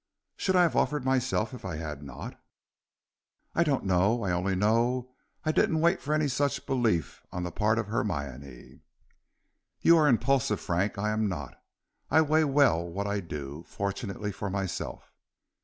"Should I have offered myself if I had not?" "I don't know; I only know I didn't wait for any such belief on the part of Hermione." "You are impulsive, Frank, I am not; I weigh well what I do, fortunately for myself."